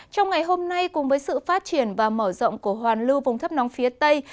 trong ngày hôm nay cùng với sự phát triển và mở rộng của hoàn lưu vùng thấp nóng phía tây